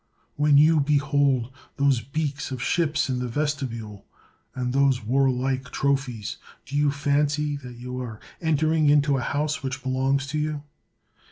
When you behold those beaks of ships in the vestibule, and those warlike trophies, do you fancy that you are entering into a house which belongs to you?